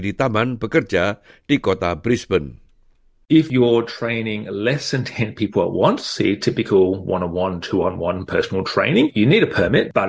di taman bekerja di kota brisbane